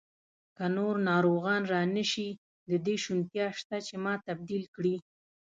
که نور ناروغان را نه شي، د دې شونتیا شته چې ما تبدیل کړي.